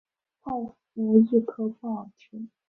泡芙一颗不好吃